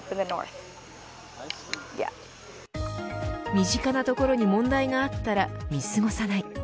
身近なところに問題があったら見過ごさない。